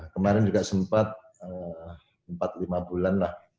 kemarin juga sempat empat lima bulan lah